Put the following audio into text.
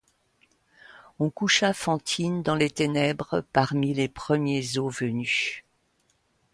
On coucha Fantine dans les ténèbres parmi les premiers os venus.